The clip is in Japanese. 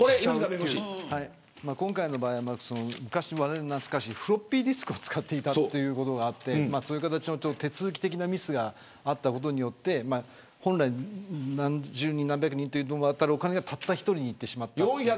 今回の場合は昔なつかしいフロッピーディスクを使っていたということがあって手続き的なミスがあったことにより何十人、何百人に渡るお金がたった１人にいってしまった。